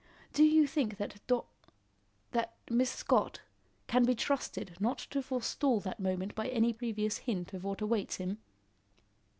Do you think that Dor that Miss Scott, can be trusted not to forestall that moment by any previous hint of what awaits him?"